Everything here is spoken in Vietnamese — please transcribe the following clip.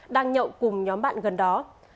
đang nhậu cùng nhóm bạn gần đó